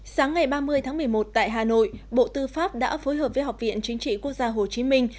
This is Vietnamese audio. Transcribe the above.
sáng ngày ba mươi tháng một mươi một tại hà nội bộ tư pháp đã phối hợp với học viện chính trị quốc gia hồ chí minh